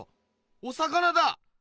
お魚だ！